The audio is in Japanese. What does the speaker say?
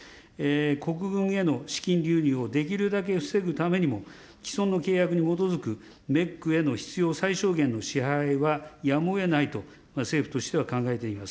国軍への資金流入をできるだけ防ぐためにも、既存の契約に基づくメックへの必要最小限の支払いはやむをえないと、政府としては考えています。